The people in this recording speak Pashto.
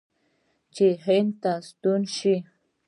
چې هند ته ستون شي.